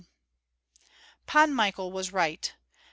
Pan Michael was right.